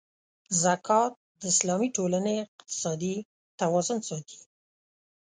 زکات د اسلامي ټولنې اقتصادي توازن ساتي.